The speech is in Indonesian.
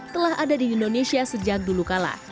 telah ada di indonesia sejak dulu kala